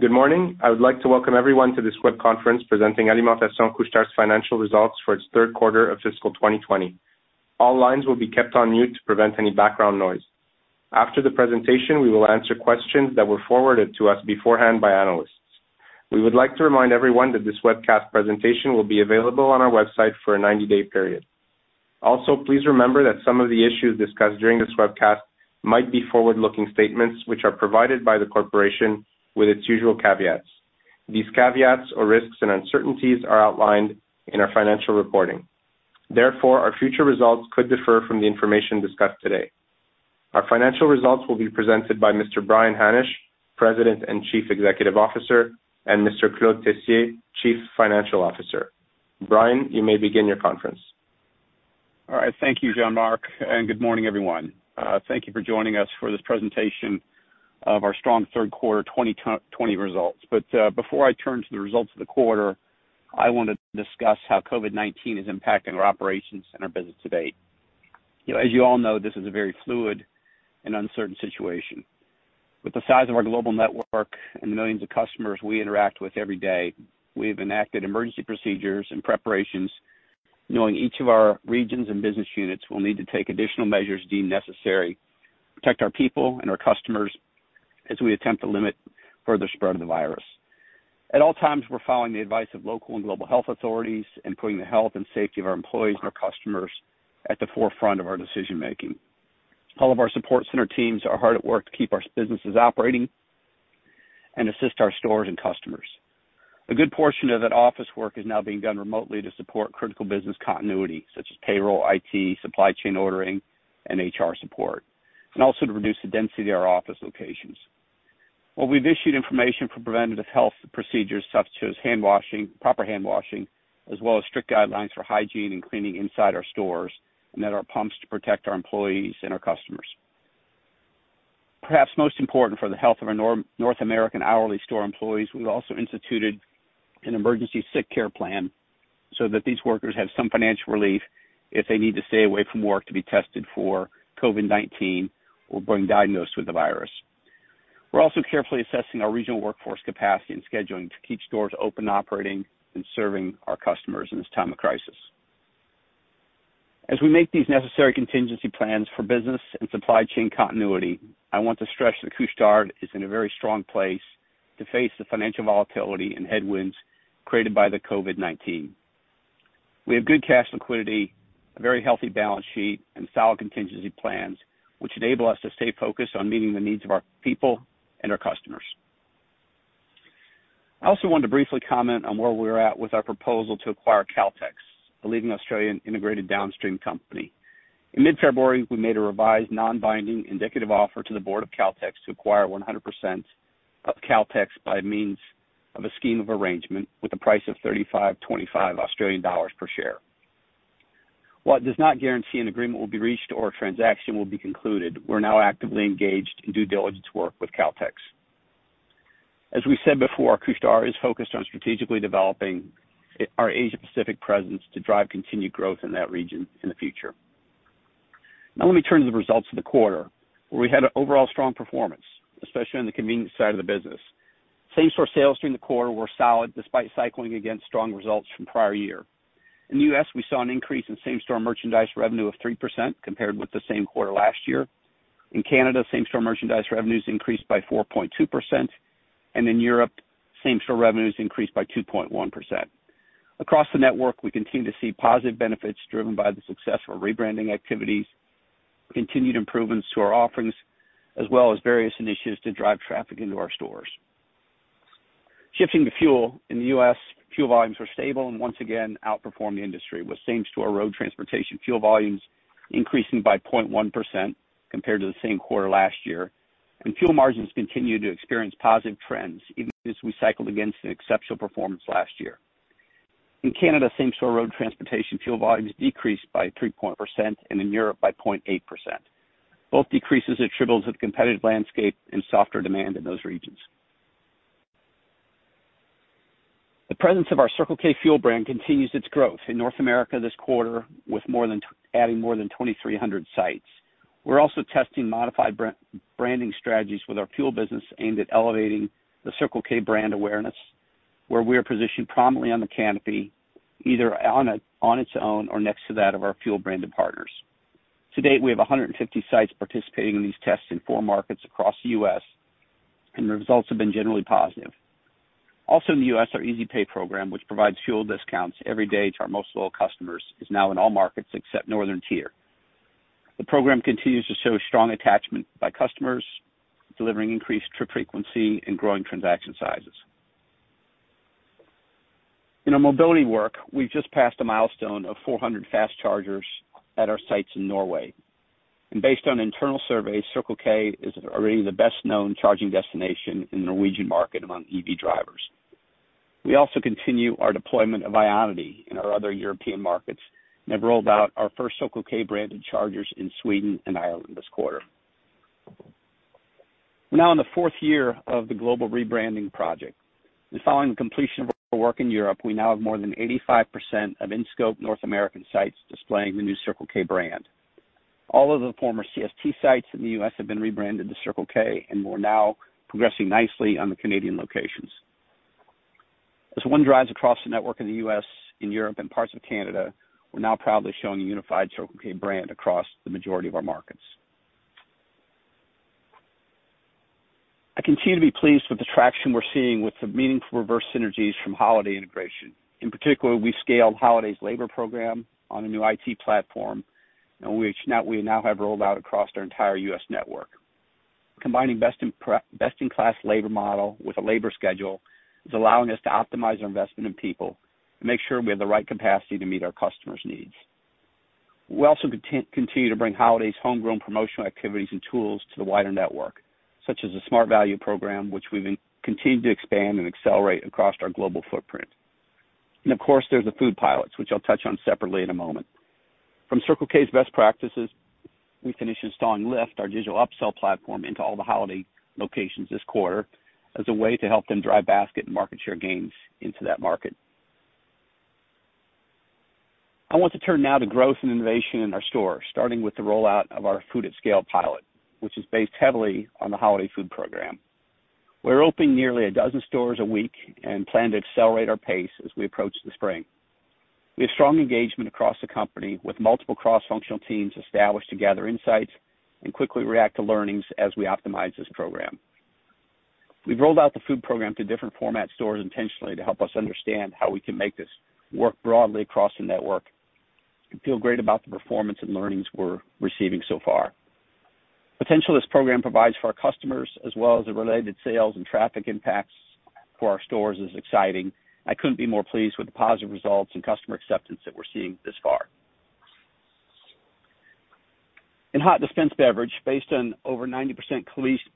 Good morning. I would like to welcome everyone to this web conference presenting Alimentation Couche-Tard's financial results for its third quarter of fiscal 2020. All lines will be kept on mute to prevent any background noise. After the presentation, we will answer questions that were forwarded to us beforehand by analysts. We would like to remind everyone that this webcast presentation will be available on our website for a 90-day period. Please remember that some of the issues discussed during this webcast might be forward-looking statements, which are provided by the corporation with its usual caveats. These caveats, or risks and uncertainties, are outlined in our financial reporting. Our future results could differ from the information discussed today. Our financial results will be presented by Mr. Brian Hannasch, President and Chief Executive Officer, and Mr. Claude Tessier, Chief Financial Officer. Brian, you may begin your conference. All right. Thank you, Jean Marc. Good morning, everyone. Thank you for joining us for this presentation of our strong third quarter 2020 results. Before I turn to the results of the quarter, I want to discuss how COVID-19 is impacting our operations and our business to date. As you all know, this is a very fluid and uncertain situation. With the size of our global network and the millions of customers we interact with every day, we have enacted emergency procedures and preparations knowing each of our regions and business units will need to take additional measures deemed necessary to protect our people and our customers as we attempt to limit further spread of the virus. At all times, we're following the advice of local and global health authorities and putting the health and safety of our employees and our customers at the forefront of our decision-making. All of our support center teams are hard at work to keep our businesses operating and assist our stores and customers. A good portion of that office work is now being done remotely to support critical business continuity, such as payroll, IT, supply chain ordering, and HR support, and also to reduce the density of our office locations. While we've issued information for preventative health procedures such as proper handwashing, as well as strict guidelines for hygiene and cleaning inside our stores and at our pumps to protect our employees and our customers. Perhaps most important for the health of our North American hourly store employees, we've also instituted an emergency sick care plan so that these workers have some financial relief if they need to stay away from work to be tested for COVID-19 or when diagnosed with the virus. We're also carefully assessing our regional workforce capacity and scheduling to keep stores open and operating and serving our customers in this time of crisis. As we make these necessary contingency plans for business and supply chain continuity, I want to stress that Couche-Tard is in a very strong place to face the financial volatility and headwinds created by the COVID-19. We have good cash liquidity, a very healthy balance sheet, and solid contingency plans, which enable us to stay focused on meeting the needs of our people and our customers. I also wanted to briefly comment on where we're at with our proposal to acquire Caltex, a leading Australian integrated downstream company. In mid-February, we made a revised, non-binding, indicative offer to the Board of Caltex to acquire 100% of Caltex by means of a scheme of arrangement with a price of 35.25 Australian dollars per share. While it does not guarantee an agreement will be reached or a transaction will be concluded, we're now actively engaged in due diligence work with Caltex. As we said before, Couche-Tard is focused on strategically developing our Asia-Pacific presence to drive continued growth in that region in the future. Let me turn to the results of the quarter, where we had an overall strong performance, especially on the convenience side of the business. Same-store sales during the quarter were solid, despite cycling against strong results from prior year. In the U.S., we saw an increase in same-store merchandise revenue of 3% compared with the same quarter last year. In Canada, same-store merchandise revenues increased by 4.2%, and in Europe, same-store revenues increased by 2.1%. Across the network, we continue to see positive benefits driven by the successful rebranding activities, continued improvements to our offerings, as well as various initiatives to drive traffic into our stores. Shifting to fuel. In the U.S., fuel volumes were stable and once again outperformed the industry, with same-store road transportation fuel volumes increasing by 0.1% compared to the same quarter last year, and fuel margins continued to experience positive trends, even as we cycled against an exceptional performance last year. In Canada, same-store road transportation fuel volumes decreased by 3.0%, and in Europe, by 0.8%. Both decreases attribute to the competitive landscape and softer demand in those regions. The presence of our Circle K fuel brand continues its growth in North America this quarter, with adding more than 2,300 sites. We're also testing modified branding strategies with our fuel business aimed at elevating the Circle K brand awareness, where we are positioned prominently on the canopy, either on its own or next to that of our fuel branded partners. To date, we have 150 sites participating in these tests in four markets across the U.S., and the results have been generally positive. Also in the U.S., our Easy Pay program, which provides fuel discounts every day to our most loyal customers, is now in all markets except Northern Tier. The program continues to show strong attachment by customers, delivering increased trip frequency and growing transaction sizes. In our mobility work, we've just passed a milestone of 400 fast chargers at our sites in Norway. Based on internal surveys, Circle K is already the best-known charging destination in the Norwegian market among EV drivers. We also continue our deployment of IONITY in our other European markets and have rolled out our first Circle K branded chargers in Sweden and Ireland this quarter. We're now in the fourth year of the global rebranding project. Following the completion of our work in Europe, we now have more than 85% of in-scope North American sites displaying the new Circle K brand. All of the former CST sites in the U.S. have been rebranded to Circle K. We're now progressing nicely on the Canadian locations. As one drives across the network in the U.S., in Europe, and parts of Canada, we're now proudly showing a unified Circle K brand across the majority of our markets. I continue to be pleased with the traction we're seeing with the meaningful reverse synergies from Holiday integration. In particular, we've scaled Holiday's labor program on a new IT platform, which we now have rolled out across our entire U.S. network. Combining best-in-class labor model with a labor schedule is allowing us to optimize our investment in people and make sure we have the right capacity to meet our customers' needs. We also continue to bring Holiday's homegrown promotional activities and tools to the wider network, such as the Smart Value program, which we've continued to expand and accelerate across our global footprint. Of course, there's the food pilots, which I'll touch on separately in a moment. From Circle K's best practices, we finished installing LIFT, our digital upsell platform, into all the Holiday locations this quarter as a way to help them drive basket and market share gains into that market. I want to turn now to growth and innovation in our stores, starting with the rollout of our Food at Scale pilot, which is based heavily on the Holiday Food program. We're opening nearly a dozen stores a week and plan to accelerate our pace as we approach the spring. We have strong engagement across the company with multiple cross-functional teams established to gather insights and quickly react to learnings as we optimize this program. We've rolled out the food program to different format stores intentionally to help us understand how we can make this work broadly across the network, and feel great about the performance and learnings we're receiving so far. The potential this program provides for our customers, as well as the related sales and traffic impacts for our stores, is exciting. I couldn't be more pleased with the positive results and customer acceptance that we're seeing thus far. In hot dispense beverage, based on over 90%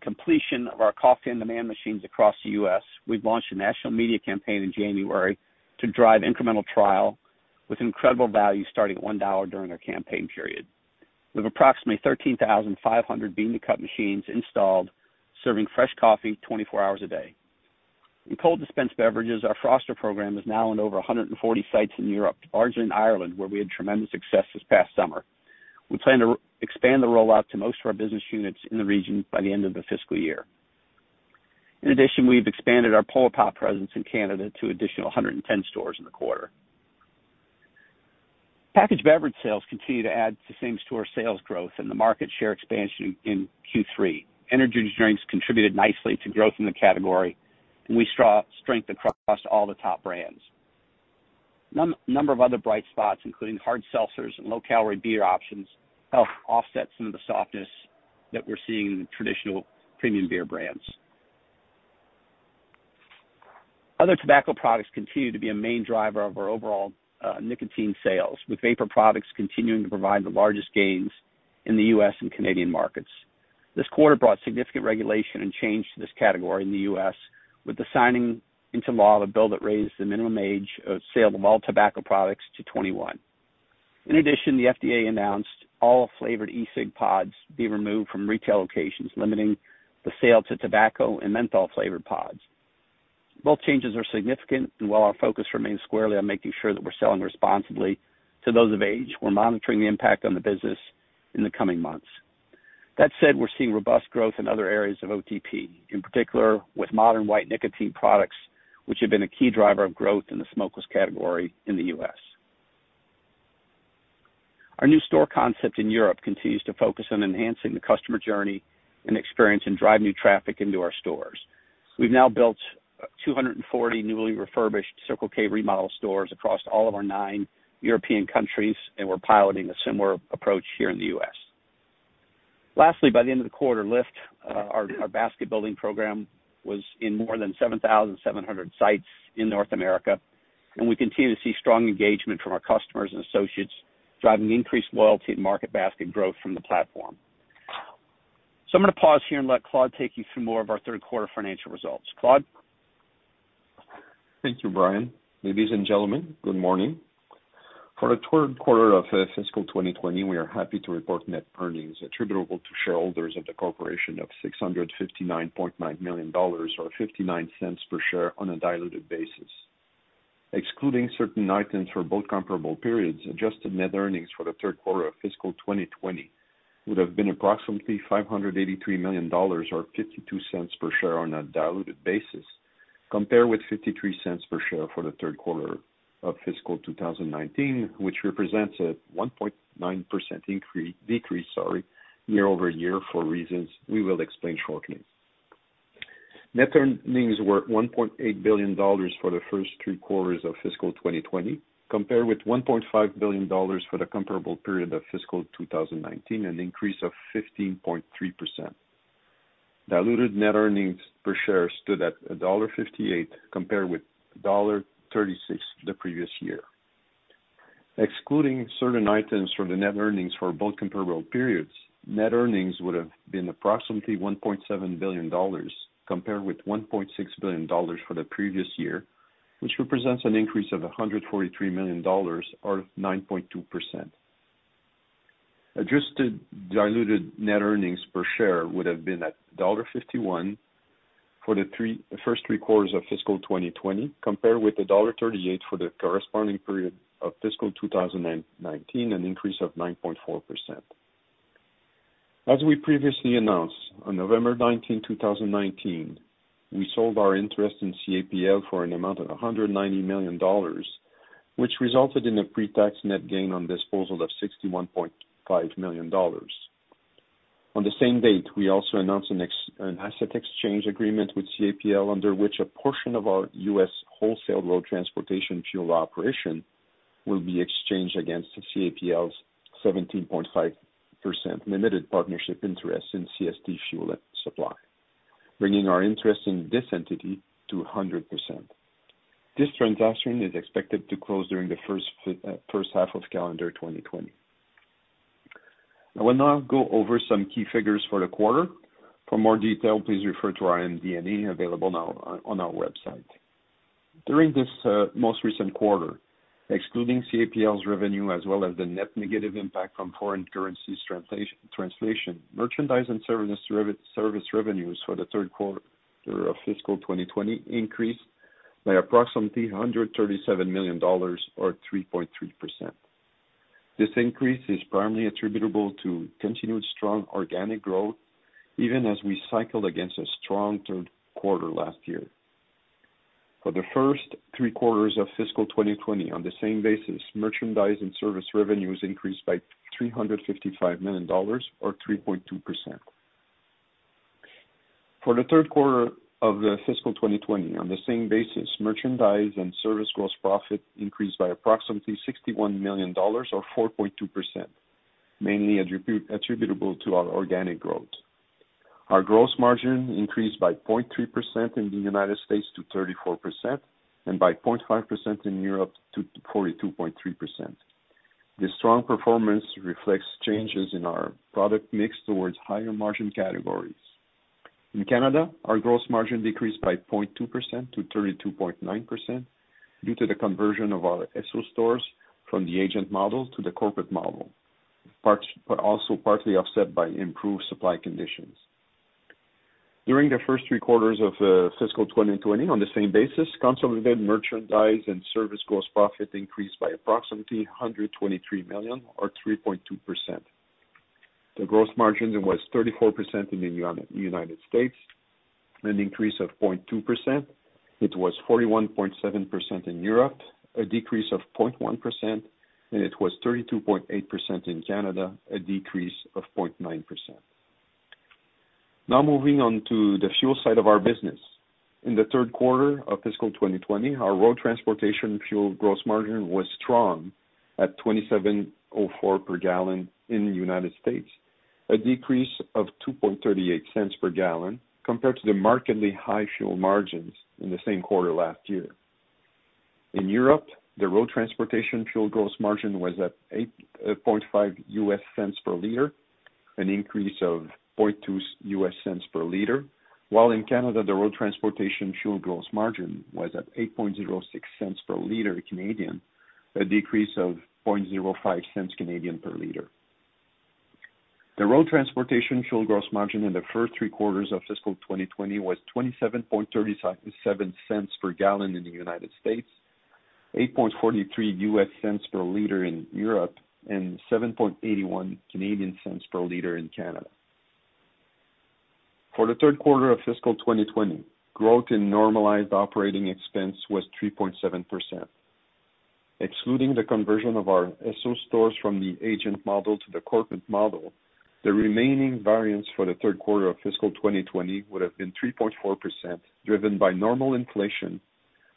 completion of our Coffee on Demand machines across the U.S., we've launched a national media campaign in January to drive incremental trial with incredible value, starting at $1 during our campaign period. We have approximately 13,500 bean-to-cup machines installed, serving fresh coffee 24 hours a day. In cold dispense beverages, our Froster program is now in over 140 sites in Europe, largely in Ireland, where we had tremendous success this past summer. We plan to expand the rollout to most of our business units in the region by the end of the fiscal year. In addition, we've expanded our Polar Pop presence in Canada to an additional 110 stores in the quarter. Packaged beverage sales continue to add to same-store sales growth and the market share expansion in Q3. Energy drinks contributed nicely to growth in the category, and we saw strength across all the top brands. A number of other bright spots, including hard seltzers and low-calorie beer options, helped offset some of the softness that we're seeing in the traditional premium beer brands. Other tobacco products continue to be a main driver of our overall nicotine sales, with vapor products continuing to provide the largest gains in the U.S. and Canadian markets. This quarter brought significant regulation and change to this category in the U.S. with the signing into law the bill that raised the minimum age of sale of all tobacco products to 21. In addition, the FDA announced all flavored e-cig pods be removed from retail locations, limiting the sale to tobacco and menthol-flavored pods. Both changes are significant, and while our focus remains squarely on making sure that we're selling responsibly to those of age, we're monitoring the impact on the business in the coming months. That said, we're seeing robust growth in other areas of OTP, in particular with modern white nicotine products, which have been a key driver of growth in the smokeless category in the U.S. Our new store concept in Europe continues to focus on enhancing the customer journey and experience and drive new traffic into our stores. We've now built 240 newly refurbished Circle K remodel stores across all of our nine European countries, and we're piloting a similar approach here in the U.S. Lastly, by the end of the quarter, LIFT, our basket-building program, was in more than 7,700 sites in North America, and we continue to see strong engagement from our customers and associates, driving increased loyalty and market basket growth from the platform. I'm going to pause here and let Claude take you through more of our third quarter financial results. Claude? Thank you, Brian. Ladies and gentlemen, good morning. For the third quarter of fiscal 2020, we are happy to report net earnings attributable to shareholders of the corporation of $659.9 million, or $0.59 per share on a diluted basis. Excluding certain items for both comparable periods, adjusted net earnings for the third quarter of fiscal 2020 would have been approximately $583 million, or $0.52 per share on a diluted basis, compared with $0.53 per share for the third quarter of fiscal 2019, which represents a 1.9% decrease year-over-year for reasons we will explain shortly. Net earnings were $1.8 billion for the first three quarters of fiscal 2020, compared with $1.5 billion for the comparable period of fiscal 2019, an increase of 15.3%. Diluted net earnings per share stood at $1.58 compared with $1.36 the previous year. Excluding certain items from the net earnings for both comparable periods, net earnings would have been approximately $1.7 billion, compared with $1.6 billion for the previous year, which represents an increase of $143 million or 9.2%. Adjusted diluted net earnings per share would have been at $1.51. For the first three quarters of fiscal 2020, compared with $1.38 for the corresponding period of fiscal 2019, an increase of 9.4%. As we previously announced, on November 19, 2019, we sold our interest in CAPL for an amount of $190 million, which resulted in a pre-tax net gain on disposal of $61.5 million. On the same date, we also announced an asset exchange agreement with CAPL, under which a portion of our U.S. wholesale road transportation fuel operation will be exchanged against CAPL's 17.5% limited partnership interest in CST Fuel Supply, bringing our interest in this entity to 100%. This transaction is expected to close during the first half of calendar 2020. I will now go over some key figures for the quarter. For more detail, please refer to our MD&A available now on our website. During this most recent quarter, excluding CAPL's revenue as well as the net negative impact from foreign currency translation, merchandise and service revenues for the third quarter of fiscal 2020 increased by approximately $137 million or 3.3%. This increase is primarily attributable to continued strong organic growth, even as we cycled against a strong third quarter last year. For the first three quarters of fiscal 2020, on the same basis, merchandise and service revenues increased by $355 million or 3.2%. For the third quarter of fiscal 2020, on the same basis, merchandise and service gross profit increased by approximately $61 million or 4.2%, mainly attributable to our organic growth. Our gross margin increased by 0.3% in the U.S. to 34%, and by 0.5% in Europe to 42.3%. This strong performance reflects changes in our product mix towards higher-margin categories. In Canada, our gross margin decreased by 0.2% to 32.9% due to the conversion of our Esso stores from the agent model to the corporate model, but also partly offset by improved supply conditions. During the first three quarters of fiscal 2020, on the same basis, consolidated merchandise and service gross profit increased by approximately $123 million or 3.2%. The gross margin was 34% in the U.S., an increase of 0.2%. It was 41.7% in Europe, a decrease of 0.1%, and it was 32.8% in Canada, a decrease of 0.9%. Moving on to the fuel side of our business. In the third quarter of fiscal 2020, our road transportation fuel gross margin was strong at $0.2704 per gallon in the U.S., a decrease of $0.0238 per gallon compared to the markedly high fuel margins in the same quarter last year. In Europe, the road transportation fuel gross margin was at $0.085 per liter, an increase of $0.002 per liter, while in Canada, the road transportation fuel gross margin was at 0.0806 per liter, a decrease of 0.0005 per liter. The road transportation fuel gross margin in the first three quarters of fiscal 2020 was $0.2737 per gallon in the U.S., $0.0843 per liter in Europe, and 0.0781 per liter in Canada. For the third quarter of fiscal 2020, growth in normalized operating expense was 3.7%. Excluding the conversion of our Esso stores from the agent model to the corporate model, the remaining variance for the third quarter of fiscal 2020 would have been 3.4%, driven by normal inflation,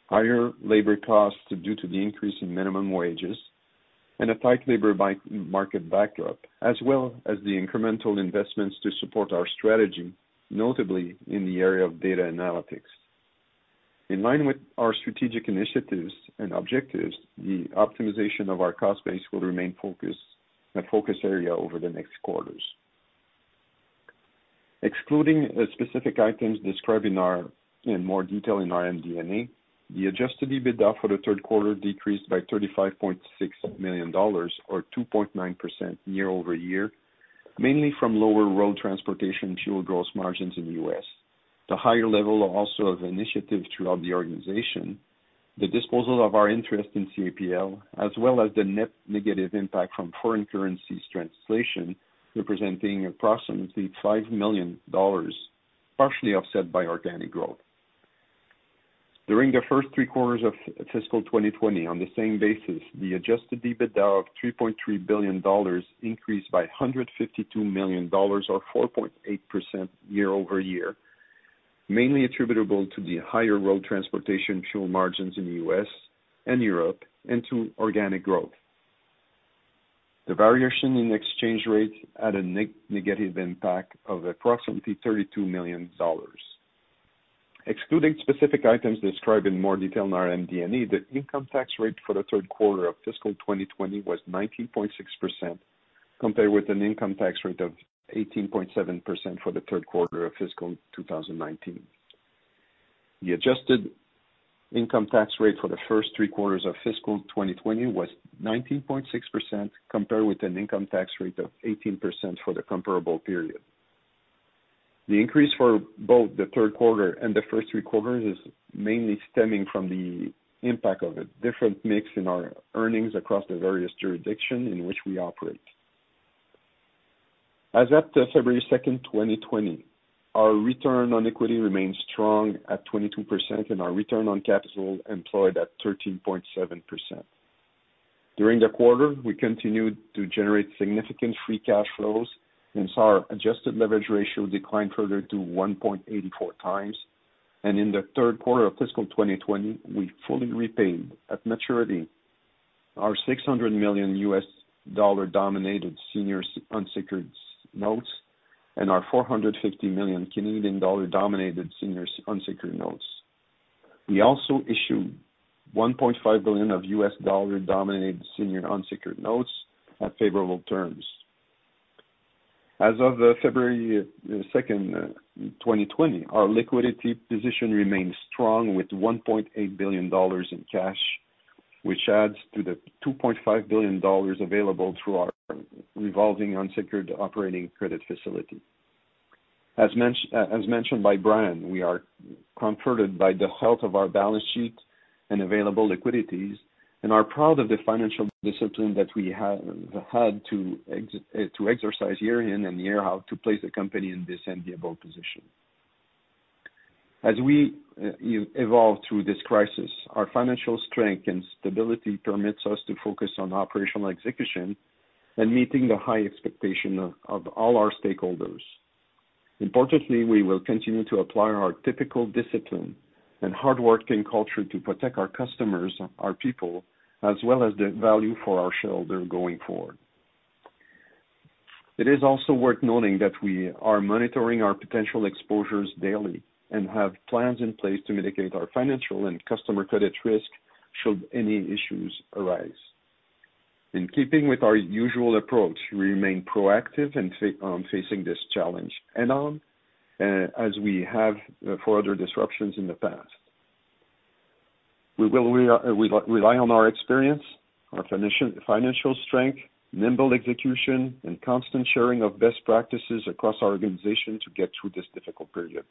higher labor costs due to the increase in minimum wages, and a tight labor market backdrop, as well as the incremental investments to support our strategy, notably in the area of data analytics. In line with our strategic initiatives and objectives, the optimization of our cost base will remain a focus area over the next quarters. Excluding specific items described in more detail in our MD&A, the Adjusted EBITDA for the third quarter decreased by $35.6 million or 2.9% year-over-year, mainly from lower road transportation fuel gross margins in the U.S. The higher level also of initiatives throughout the organization, the disposal of our interest in CAPL, as well as the net negative impact from foreign currency translation, representing approximately $5 million, partially offset by organic growth. During the first three quarters of fiscal 2020, on the same basis, the Adjusted EBITDA of $3.3 billion increased by $152 million or 4.8% year-over-year, mainly attributable to the higher road transportation fuel margins in the U.S. and Europe and to organic growth. The variation in exchange rates had a negative impact of approximately $32 million. Excluding specific items described in more detail in our MD&A, the income tax rate for the third quarter of fiscal 2020 was 19.6%, compared with an income tax rate of 18.7% for the third quarter of fiscal 2019. The adjusted income tax rate for the first three quarters of fiscal 2020 was 19.6%, compared with an income tax rate of 18% for the comparable period. The increase for both the third quarter and the first three quarters is mainly stemming from the impact of a different mix in our earnings across the various jurisdictions in which we operate. As at February 2nd, 2020, our return on equity remains strong at 22%, and our return on capital employed at 13.7%. During the quarter, we continued to generate significant free cash flows, hence our adjusted leverage ratio declined further to 1.84x. In the third quarter of fiscal 2020, we fully repaid at maturity our $600 million U.S. dollar-denominated senior unsecured notes and our 450 million Canadian dollar Canadian dollar-denominated senior unsecured notes. We also issued $1.5 billion of U.S. dollar-denominated senior unsecured notes at favorable terms. As of February 2nd, 2020, our liquidity position remains strong with $1.8 billion in cash, which adds to the $2.5 billion available through our revolving unsecured operating credit facility. As mentioned by Brian, we are comforted by the health of our balance sheet and available liquidities, and are proud of the financial discipline that we have had to exercise year in and year out to place the company in this enviable position. As we evolve through this crisis, our financial strength and stability permits us to focus on operational execution and meeting the high expectation of all our stakeholders. Importantly, we will continue to apply our typical discipline and hardworking culture to protect our customers, our people, as well as the value for our shareholders going forward. It is also worth noting that we are monitoring our potential exposures daily and have plans in place to mitigate our financial and customer credit risk should any issues arise. In keeping with our usual approach, we remain proactive on facing this challenge head on, as we have for other disruptions in the past. We will rely on our experience, our financial strength, nimble execution, and constant sharing of best practices across our organization to get through this difficult period.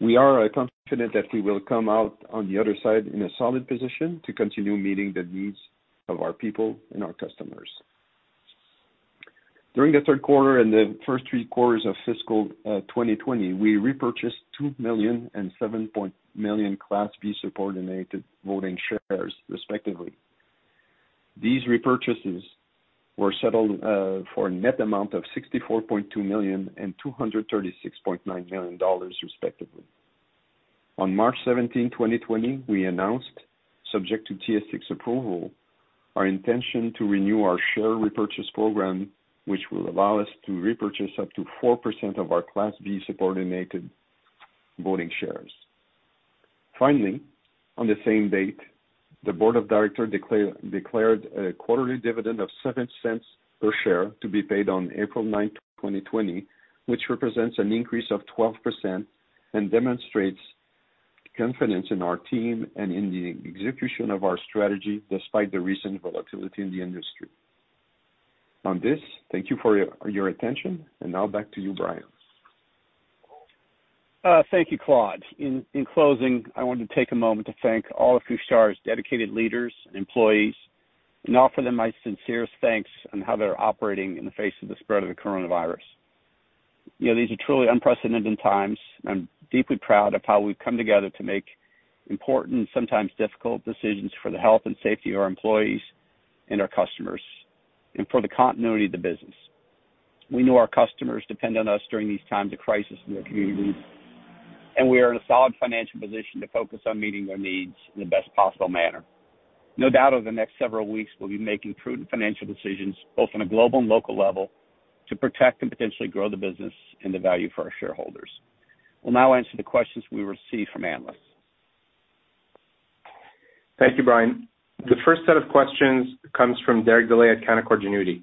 We are confident that we will come out on the other side in a solid position to continue meeting the needs of our people and our customers. During the third quarter and the first three quarters of fiscal 2020, we repurchased 2 million and 7 million Class B subordinate voting shares respectively. These repurchases were settled for a net amount of $64.2 million and $236.9 million respectively. On March 17, 2020, we announced, subject to TSX approval, our intention to renew our share repurchase program, which will allow us to repurchase up to 4% of our Class B subordinate voting shares. Finally, on the same date, the Board of Directors declared a quarterly dividend of 0.07 per share to be paid on April 9th, 2020, which represents an increase of 12% and demonstrates confidence in our team and in the execution of our strategy despite the recent volatility in the industry. On this, thank you for your attention, and now back to you, Brian. Thank you, Claude. In closing, I want to take a moment to thank all of Couche-Tard's dedicated leaders and employees and offer them my sincerest thanks on how they're operating in the face of the spread of the coronavirus. These are truly unprecedented times. I'm deeply proud of how we've come together to make important, sometimes difficult decisions for the health and safety of our employees and our customers, and for the continuity of the business. We know our customers depend on us during these times of crisis in their communities, and we are in a solid financial position to focus on meeting their needs in the best possible manner. No doubt over the next several weeks, we'll be making prudent financial decisions, both on a global and local level, to protect and potentially grow the business and the value for our shareholders. We'll now answer the questions we received from analysts. Thank you, Brian. The first set of questions comes from Derek Dley at Canaccord Genuity.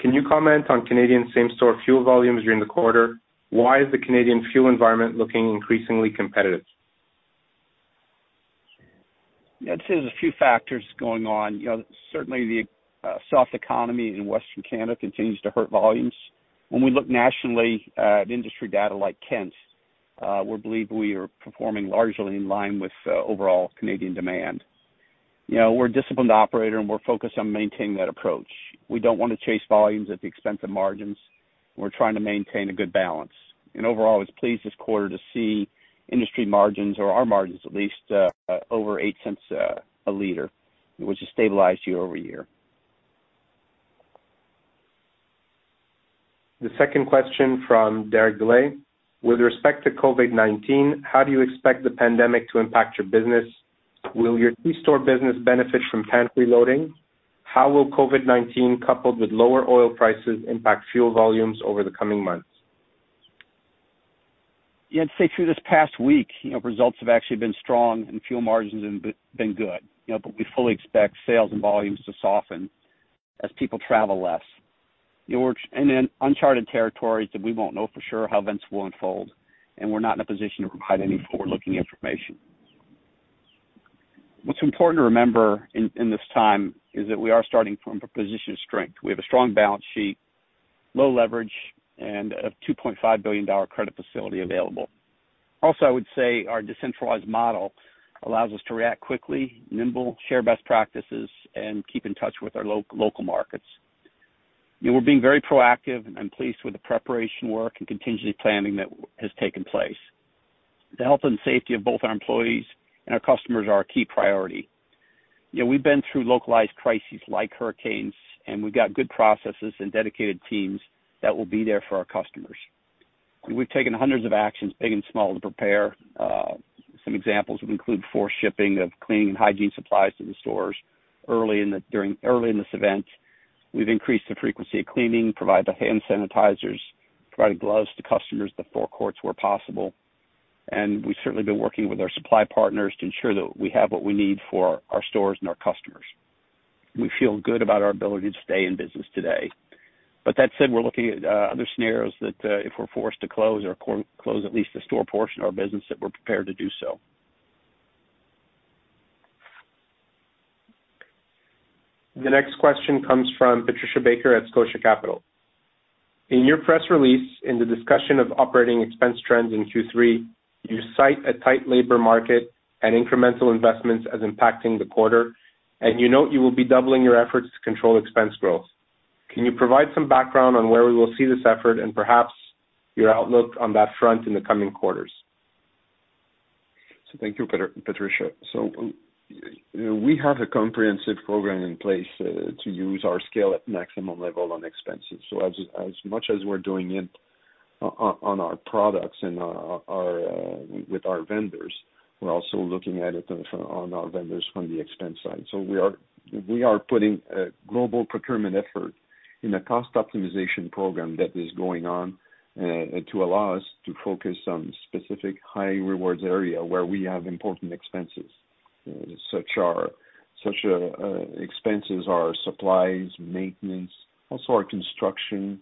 Can you comment on Canadian same-store fuel volumes during the quarter? Why is the Canadian fuel environment looking increasingly competitive? I'd say there's a few factors going on. Certainly, the soft economy in Western Canada continues to hurt volumes. When we look nationally at industry data like Kent's, we believe we are performing largely in line with overall Canadian demand. We're a disciplined operator, and we're focused on maintaining that approach. We don't want to chase volumes at the expense of margins. We're trying to maintain a good balance. Overall, I was pleased this quarter to see industry margins, or our margins at least, over 0.08 a liter, which has stabilized year-over-year. The second question from Derek Dley. With respect to COVID-19, how do you expect the pandemic to impact your business? Will your key store business benefit from pantry loading? How will COVID-19 coupled with lower oil prices impact fuel volumes over the coming months? I'd say through this past week, results have actually been strong and fuel margins have been good. We fully expect sales and volumes to soften as people travel less. We're in uncharted territories that we won't know for sure how events will unfold, and we're not in a position to provide any forward-looking information. What's important to remember in this time is that we are starting from a position of strength. We have a strong balance sheet, low leverage, and a $2.5 billion credit facility available. I would say our decentralized model allows us to react quickly, nimble, share best practices, and keep in touch with our local markets. We're being very proactive and pleased with the preparation work and contingency planning that has taken place. The health and safety of both our employees and our customers are our key priority. We've been through localized crises like hurricanes, and we've got good processes and dedicated teams that will be there for our customers. We've taken hundreds of actions, big and small, to prepare. Some examples would include force-shipping of cleaning and hygiene supplies to the stores early in this event. We've increased the frequency of cleaning, provided hand sanitizers, provided gloves to customers at the forecourts where possible. We've certainly been working with our supply partners to ensure that we have what we need for our stores and our customers. We feel good about our ability to stay in business today. That said, we're looking at other scenarios that if we're forced to close or close at least the store portion of our business, that we're prepared to do so. The next question comes from Patricia Baker at Scotia Capital. In your press release, in the discussion of operating expense trends in Q3, you cite a tight labor market and incremental investments as impacting the quarter, and you note you will be doubling your efforts to control expense growth. Can you provide some background on where we will see this effort and perhaps your outlook on that front in the coming quarters? Thank you, Patricia. We have a comprehensive program in place to use our scale at maximum level on expenses. As much as we're doing it on our products and with our vendors, we're also looking at it on our vendors from the expense side. We are putting a global procurement effort in a cost optimization program that is going on to allow us to focus on specific high rewards area where we have important expenses. Such expenses are supplies, maintenance, also our construction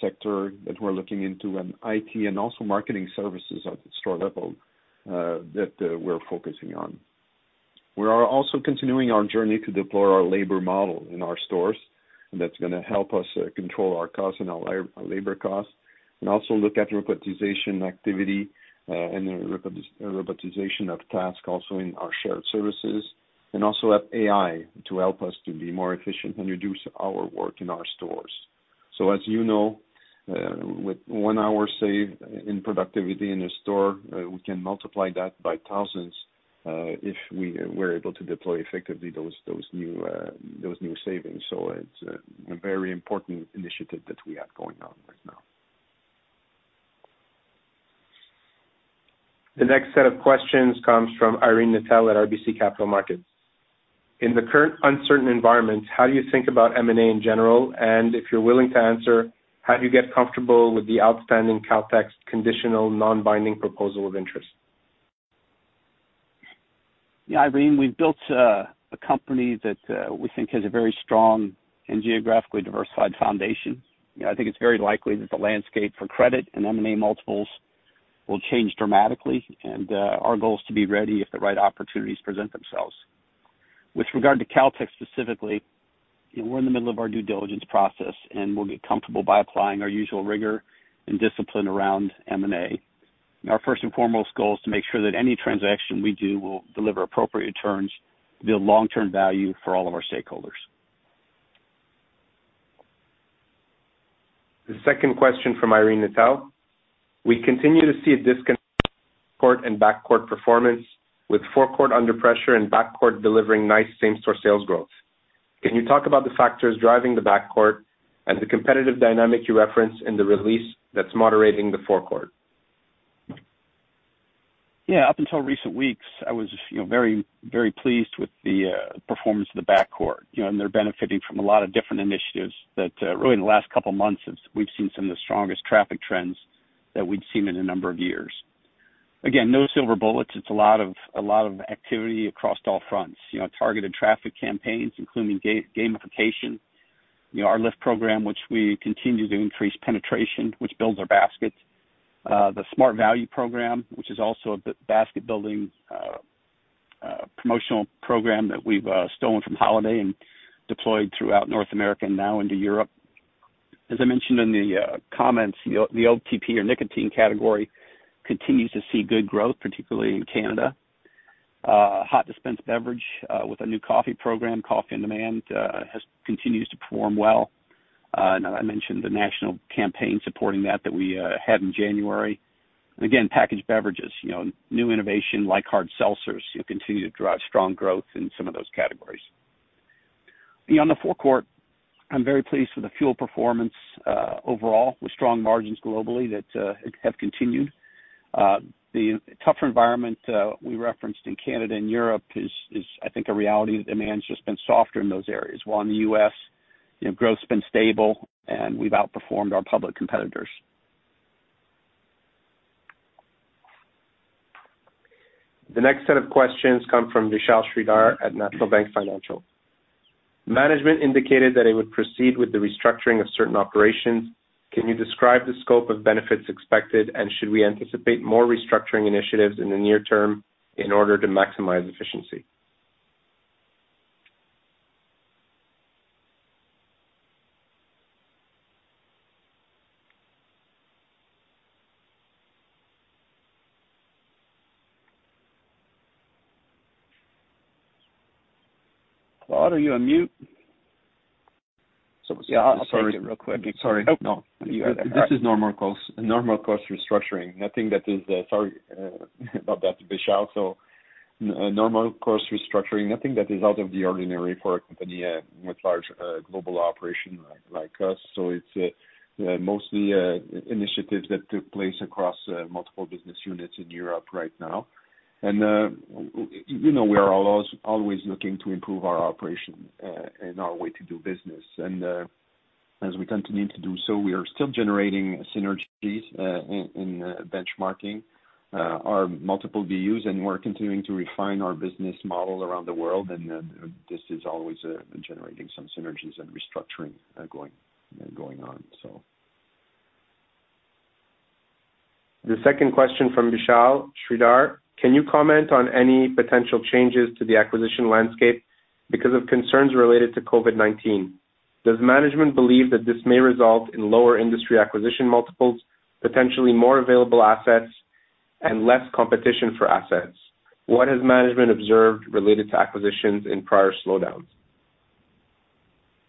sector that we're looking into, and IT, and also marketing services at the store level that we're focusing on. We are also continuing our journey to deploy our labor model in our stores, and that's going to help us control our costs and our labor costs and also look at robotization activity and robotization of tasks also in our shared services, and also at AI to help us to be more efficient and reduce our work in our stores. As you know, with one hour saved in productivity in a store, we can multiply that by thousands, if we're able to deploy effectively those new savings. It's a very important initiative that we have going on right now. The next set of questions comes from Irene Nattel at RBC Capital Markets. In the current uncertain environment, how do you think about M&A in general? If you're willing to answer, how do you get comfortable with the outstanding Caltex conditional non-binding proposal of interest? Yeah, Irene, we've built a company that we think has a very strong and geographically diversified foundation. I think it's very likely that the landscape for credit and M&A multiples will change dramatically, and our goal is to be ready if the right opportunities present themselves. With regard to Caltex specifically, we're in the middle of our due diligence process, and we'll get comfortable by applying our usual rigor and discipline around M&A. Our first and foremost goal is to make sure that any transaction we do will deliver appropriate returns to build long-term value for all of our stakeholders. The second question from Irene Nattel. We continue to see a disconnect in forecourt and backcourt performance, with forecourt under pressure and backcourt delivering nice same-store sales growth. Can you talk about the factors driving the backcourt and the competitive dynamic you referenced in the release that's moderating the forecourt? Up until recent weeks, I was very pleased with the performance of the backcourt. They're benefiting from a lot of different initiatives that really in the last couple of months, we've seen some of the strongest traffic trends that we've seen in a number of years. Again, no silver bullets. It's a lot of activity across all fronts. Targeted traffic campaigns, including gamification. Our LIFT program, which we continue to increase penetration, which builds our baskets. The Smart Value program, which is also a basket-building promotional program that we've stolen from Holiday and deployed throughout North America and now into Europe. As I mentioned in the comments, the OTP or nicotine category continues to see good growth, particularly in Canada. Hot dispensed beverage with a new coffee program, Coffee on Demand, continues to perform well. I know I mentioned the national campaign supporting that we had in January. Again, packaged beverages. New innovation like hard seltzers continue to drive strong growth in some of those categories. On the forecourt, I'm very pleased with the fuel performance overall, with strong margins globally that have continued. The tougher environment we referenced in Canada and Europe is I think a reality that demand's just been softer in those areas. While in the U.S., growth's been stable, and we've outperformed our public competitors. The next set of questions come from Vishal Shreedhar at National Bank Financial. Management indicated that it would proceed with the restructuring of certain operations. Can you describe the scope of benefits expected, and should we anticipate more restructuring initiatives in the near term in order to maximize efficiency? Claude, are you on mute? Yeah. Sorry. I'll take it real quick. Sorry. Oh, no. You got it. All right. This is normal cost restructuring. Sorry about that, Vishal. Normal course restructuring, nothing that is out of the ordinary for a company with large global operations like us. It's mostly initiatives that took place across multiple business units in Europe right now. We are always looking to improve our operations, and our way to do business. As we continue to do so, we are still generating synergies, in benchmarking our multiple BUs, and we're continuing to refine our business model around the world, and this is always generating some synergies and restructuring going on. The second question from Vishal Shreedhar. Can you comment on any potential changes to the acquisition landscape because of concerns related to COVID-19? Does management believe that this may result in lower industry acquisition multiples, potentially more available assets, and less competition for assets? What has management observed related to acquisitions in prior slowdowns?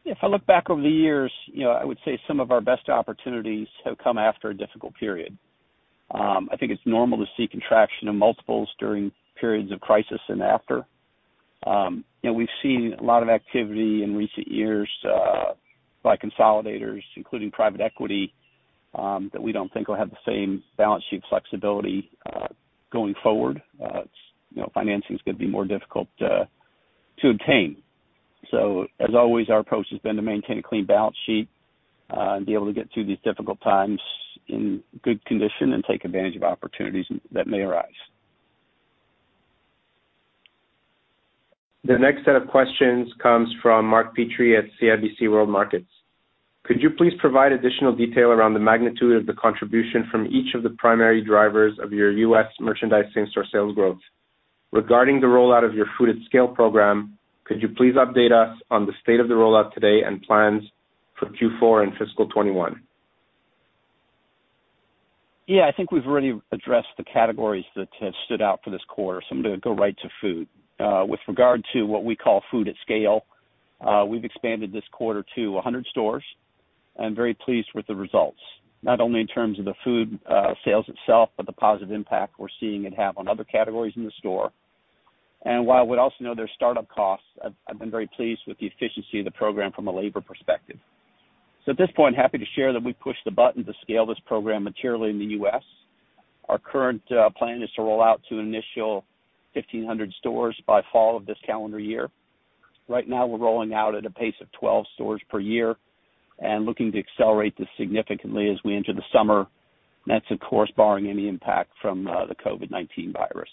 If I look back over the years, I would say some of our best opportunities have come after a difficult period. I think it's normal to see contraction of multiples during periods of crisis and after. We've seen a lot of activity in recent years, by consolidators, including private equity, that we don't think will have the same balance sheet flexibility, going forward. Financing's going to be more difficult to obtain. As always, our approach has been to maintain a clean balance sheet, and be able to get through these difficult times in good condition and take advantage of opportunities that may arise. The next set of questions comes from Mark Petrie at CIBC Capital Markets. Could you please provide additional detail around the magnitude of the contribution from each of the primary drivers of your U.S. merchandise same-store sales growth? Regarding the rollout of your Food at Scale program, could you please update us on the state of the rollout today and plans for Q4 and fiscal 2021? Yeah, I think we've already addressed the categories that have stood out for this quarter, so I'm gonna go right to food. With regard to what we call Food at Scale, we've expanded this quarter to 100 stores and very pleased with the results, not only in terms of the food sales itself, but the positive impact we're seeing it have on other categories in the store. While we also know there's startup costs, I've been very pleased with the efficiency of the program from a labor perspective. At this point, happy to share that we've pushed the button to scale this program materially in the U.S. Our current plan is to roll out to initial 1,500 stores by fall of this calendar year. Right now, we're rolling out at a pace of 12 stores per week and looking to accelerate this significantly as we enter the summer. That's, of course, barring any impact from the COVID-19 virus.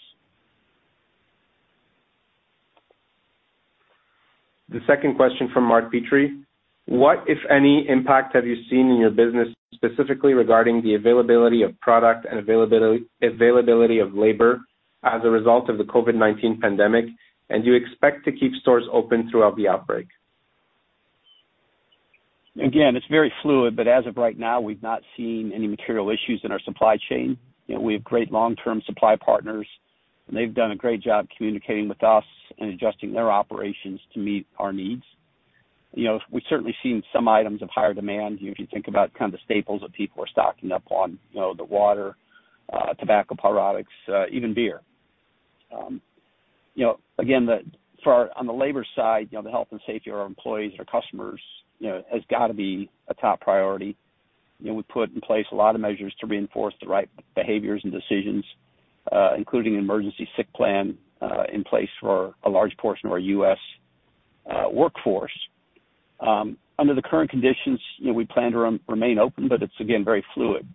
The second question from Mark Petrie. What, if any, impact have you seen in your business, specifically regarding the availability of product and availability of labor as a result of the COVID-19 pandemic? Do you expect to keep stores open throughout the outbreak? It's very fluid. As of right now, we've not seen any material issues in our supply chain. We have great long-term supply partners. They've done a great job communicating with us and adjusting their operations to meet our needs. We've certainly seen some items of higher demand, if you think about the staples that people are stocking up on, the water, tobacco products, even beer. On the labor side, the health and safety of our employees and our customers has got to be a top priority. We put in place a lot of measures to reinforce the right behaviors and decisions, including emergency sick plan, in place for a large portion of our U.S. workforce. Under the current conditions, we plan to remain open. It's again, very fluid.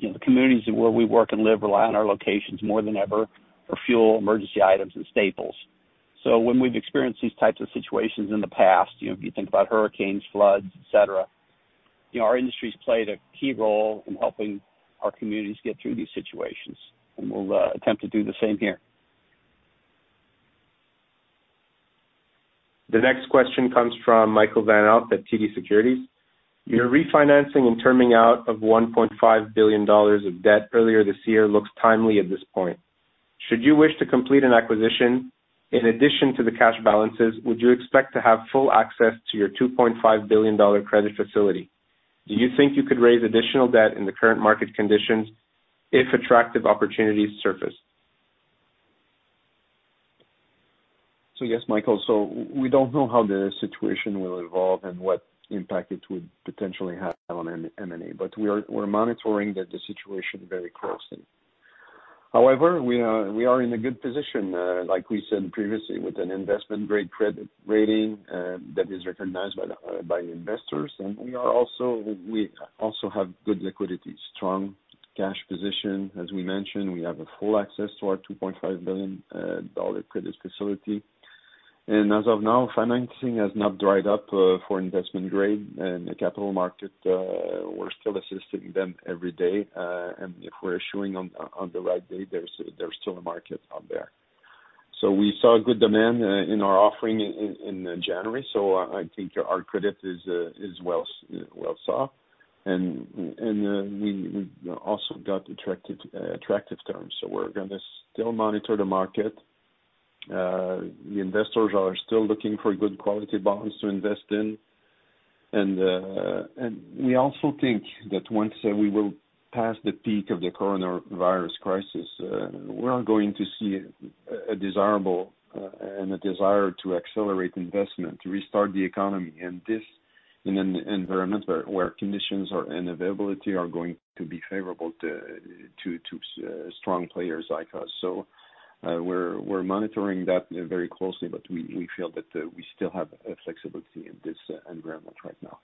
The communities where we work and live rely on our locations more than ever for fuel, emergency items, and staples. When we've experienced these types of situations in the past, if you think about hurricanes, floods, et cetera, our industry's played a key role in helping our communities get through these situations, and we'll attempt to do the same here. The next question comes from Michael Van Aelst at TD Securities. Your refinancing and terming out of $1.5 billion of debt earlier this year looks timely at this point. Should you wish to complete an acquisition, in addition to the cash balances, would you expect to have full access to your $2.5 billion credit facility? Do you think you could raise additional debt in the current market conditions if attractive opportunities surface? Yes, Michael. We don't know how the situation will evolve and what impact it would potentially have on M&A, but we're monitoring the situation very closely. However, we are in a good position, like we said previously, with an investment-grade credit rating that is recognized by investors. We also have good liquidity, strong cash position. As we mentioned, we have a full access to our $2.5 billion credit facility. As of now, financing has not dried up for investment-grade and the capital market. We're still assisting them every day, and if we're issuing on the right day, there's still a market out there. We saw good demand in our offering in January. I think our credit is well sought. We also got attractive terms. We're going to still monitor the market. The investors are still looking for good quality bonds to invest in. We also think that once we will pass the peak of the coronavirus crisis, we are going to see a desire to accelerate investment, to restart the economy, and this in an environment where conditions and availability are going to be favorable to strong players like us. We're monitoring that very closely, but we feel that we still have flexibility in this environment right now.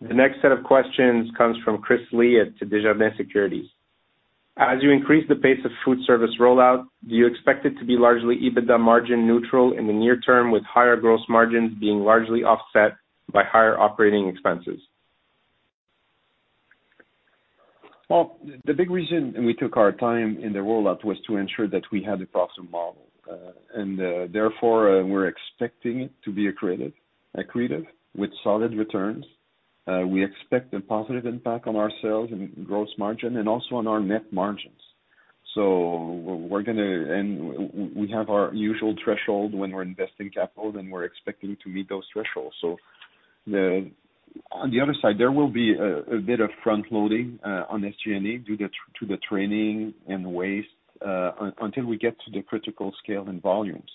The next set of questions comes from Chris Li at Desjardins Securities. As you increase the pace of food service rollout, do you expect it to be largely EBITDA margin neutral in the near term, with higher gross margins being largely offset by higher operating expenses? Well, the big reason we took our time in the rollout was to ensure that we had a proper model. Therefore, we're expecting it to be accretive with solid returns. We expect a positive impact on our sales and gross margin, and also on our net margins. We have our usual threshold when we're investing capital, and we're expecting to meet those thresholds. On the other side, there will be a bit of front-loading on SG&A due to the training and waste, until we get to the critical scale and volumes.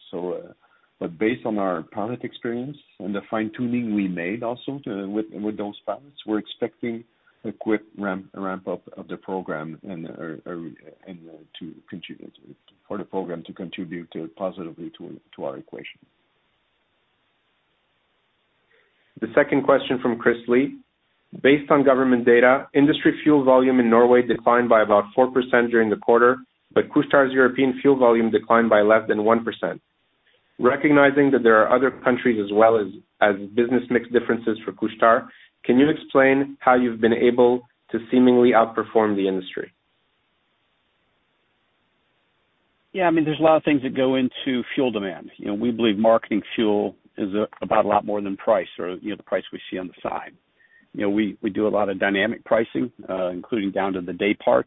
Based on our pilot experience and the fine-tuning we made also with those pilots, we're expecting a quick ramp-up of the program and for the program to contribute positively to our equation. The second question from Chris Li. Based on government data, industry fuel volume in Norway declined by about 4% during the quarter, but Couche-Tard's European fuel volume declined by less than 1%. Recognizing that there are other countries as well as business mix differences for Couche-Tard, can you explain how you've been able to seemingly outperform the industry? Yeah. There's a lot of things that go into fuel demand. We believe marketing fuel is about a lot more than price or the price we see on the sign. We do a lot of dynamic pricing, including down to the daypart,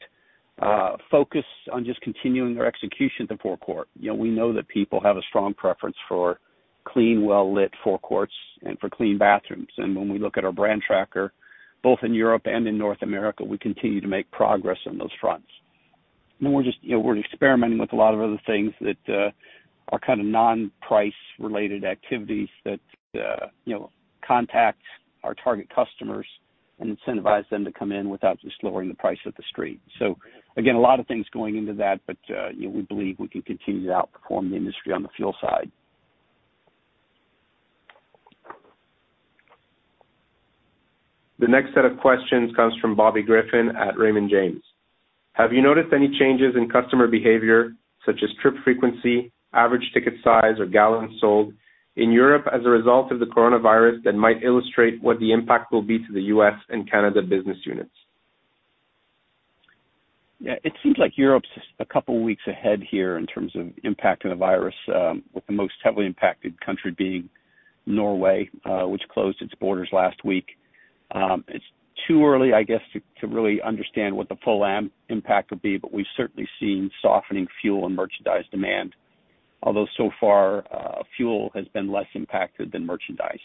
focus on just continuing our execution at the forecourt. We know that people have a strong preference for clean, well-lit forecourts and for clean bathrooms. When we look at our brand tracker, both in Europe and in North America, we continue to make progress on those fronts. We're experimenting with a lot of other things that are non-price related activities that contact our target customers and incentivize them to come in without just lowering the price at the street. Again, a lot of things going into that, but we believe we can continue to outperform the industry on the fuel side. The next set of questions comes from Bobby Griffin at Raymond James. Have you noticed any changes in customer behavior such as trip frequency, average ticket size, or gallons sold in Europe as a result of the coronavirus that might illustrate what the impact will be to the U.S. and Canada business units? Yeah. It seems like Europe's a couple weeks ahead here in terms of impact of the virus, with the most heavily impacted country being Norway, which closed its borders last week. It's too early, I guess, to really understand what the full impact would be, but we've certainly seen softening fuel and merchandise demand. Although so far, fuel has been less impacted than merchandise.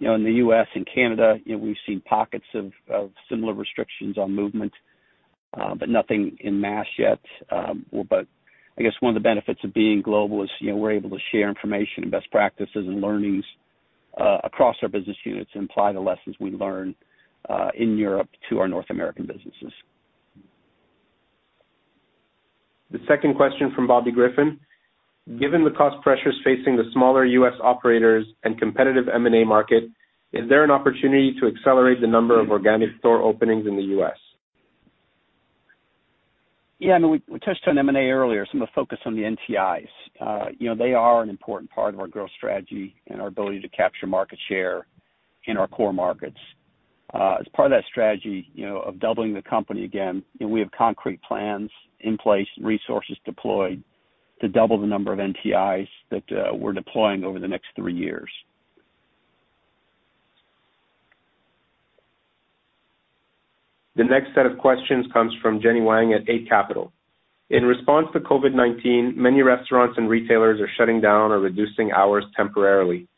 In the U.S. and Canada, we've seen pockets of similar restrictions on movement, but nothing en masse yet. I guess one of the benefits of being global is we're able to share information and best practices and learnings across our business units and apply the lessons we learn in Europe to our North American businesses. The second question from Bobby Griffin. Given the cost pressures facing the smaller U.S. operators and competitive M&A market, is there an opportunity to accelerate the number of organic store openings in the U.S.? Yeah. We touched on M&A earlier, some of the focus on the NTI. They are an important part of our growth strategy and our ability to capture market share in our core markets. As part of that strategy of doubling the company again, we have concrete plans in place and resources deployed to double the number of NTI that we're deploying over the next three years. The next set of questions comes from Jenny Wang at Eight Capital. In response to COVID-19, many restaurants and retailers are shutting down or reducing hours temporarily.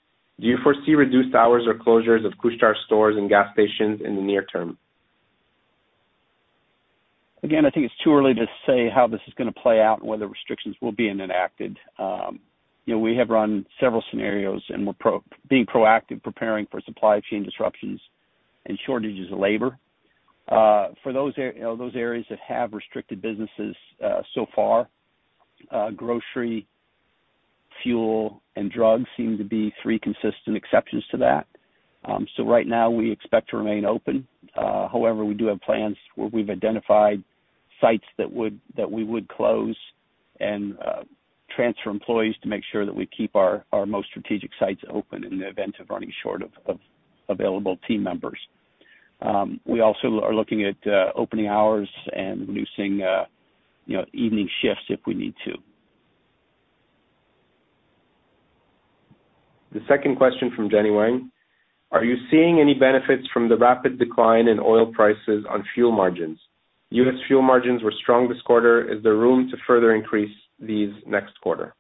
Do you foresee reduced hours or closures of Couche-Tard stores and gas stations in the near term? I think it's too early to say how this is going to play out and whether restrictions will be enacted. We have run several scenarios, and we're being proactive preparing for supply chain disruptions and shortages of labor. For those areas that have restricted businesses so far, grocery, fuel, and drugs seem to be three consistent exceptions to that. Right now, we expect to remain open. However, we do have plans where we've identified sites that we would close and transfer employees to make sure that we keep our most strategic sites open in the event of running short of available team members. We also are looking at opening hours and reducing evening shifts if we need to. The second question from Jenny Wang. Are you seeing any benefits from the rapid decline in oil prices on fuel margins? U.S. fuel margins were strong this quarter. Is there room to further increase these next quarter?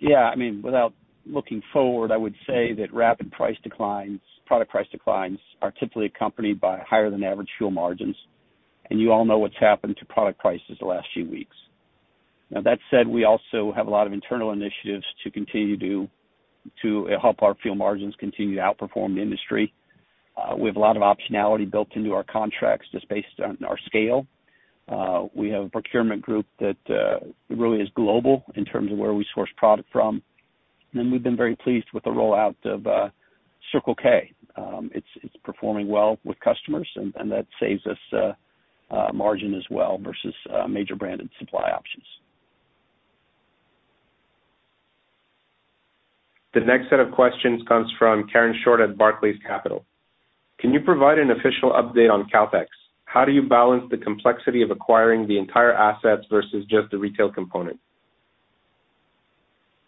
Yeah. Without looking forward, I would say that rapid price declines, product price declines, are typically accompanied by higher than average fuel margins. You all know what's happened to product prices the last few weeks. Now, that said, we also have a lot of internal initiatives to continue to help our fuel margins continue to outperform the industry. We have a lot of optionality built into our contracts just based on our scale. We have a procurement group that really is global in terms of where we source product from. We've been very pleased with the rollout of Circle K. It's performing well with customers, and that saves us margin as well versus major branded supply options. The next set of questions comes from Karen Short at Barclays Capital. Can you provide an official update on Caltex? How do you balance the complexity of acquiring the entire assets versus just the retail component?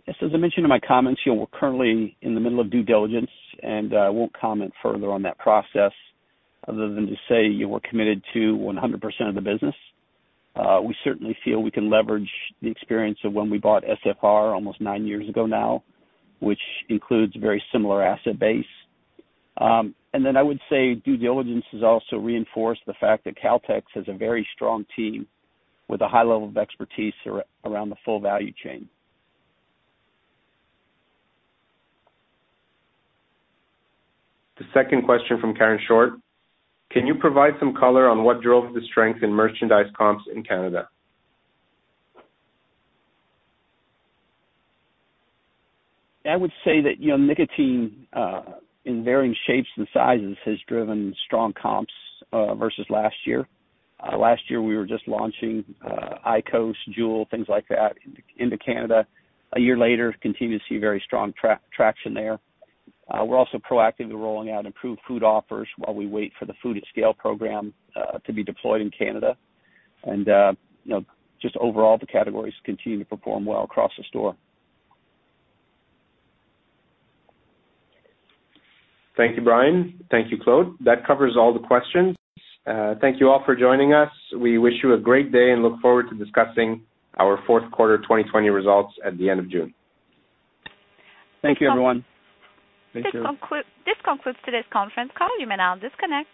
Yes, as I mentioned in my comments, we're currently in the middle of due diligence, and I won't comment further on that process other than to say we're committed to 100% of the business. We certainly feel we can leverage the experience of when we bought SFR almost nine years ago now, which includes a very similar asset base. I would say due diligence has also reinforced the fact that Caltex has a very strong team with a high level of expertise around the full value chain. The second question from Karen Short. Can you provide some color on what drove the strength in merchandise comps in Canada? I would say that nicotine, in varying shapes and sizes, has driven strong comps versus last year. Last year, we were just launching IQOS, JUUL, things like that into Canada. One year later, continue to see very strong traction there. We're also proactively rolling out improved food offers while we wait for the Food at Scale program to be deployed in Canada. Just overall, the categories continue to perform well across the store. Thank you, Brian. Thank you, Claude. That covers all the questions. Thank you all for joining us. We wish you a great day and look forward to discussing our fourth quarter 2020 results at the end of June. Thank you, everyone. This concludes today's conference call. You may now disconnect.